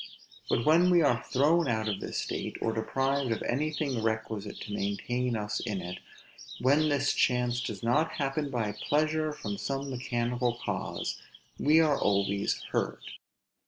But when we are thrown out of this state, or deprived of anything requisite to maintain us in it; when this chance does not happen by pleasure from some mechanical cause, we are always hurt.